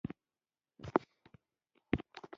د بخارۍ ساتنه د هغې د مؤثریت سبب کېږي.